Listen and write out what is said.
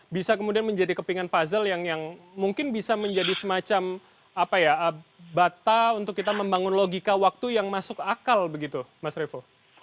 bisa kemudian menjadi kepingan puzzle yang mungkin bisa menjadi semacam bata untuk kita membangun logika waktu yang masuk akal begitu mas revo